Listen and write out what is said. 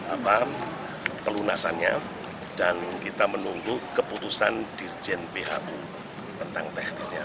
apa pelunasannya dan kita menunggu keputusan dirjen phu tentang teknisnya